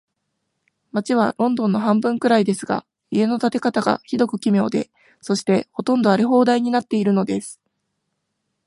街はロンドンの半分くらいですが、家の建て方が、ひどく奇妙で、そして、ほとんど荒れ放題になっているのです。